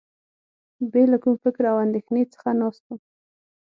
بې له کوم فکر او اندېښنې څخه ناست وم.